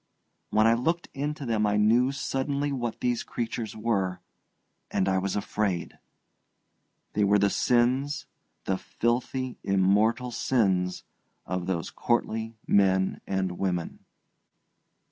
When I looked into them I knew suddenly what these creatures were, and I was afraid. They were the sins, the filthy, immortal sins of those courtly men and women.